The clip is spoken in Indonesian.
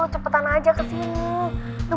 cepetan aja kesini